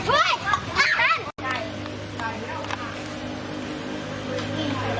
อีกใบหนึ่ง